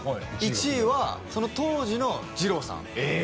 １位はその当時のじろうさんえ！